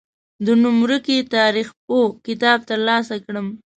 د نوم ورکي تاریخپوه کتاب تر لاسه کړم.